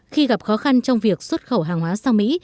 khi gặp khó khăn trong việc xuất khẩu hàng hóa sang mỹ